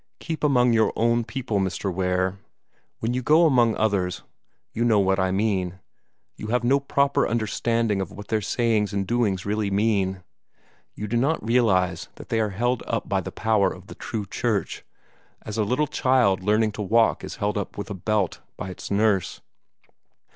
Keep among your own people, Mr. Ware! When you go among others you know what I mean you have no proper understanding of what their sayings and doings really mean. You do not realize that they are held up by the power of the true Church, as a little child learning to walk is held up with a belt by its nurse.